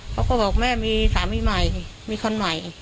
เขาก็บอกแม่มีสามีใหม่มีคนใหม่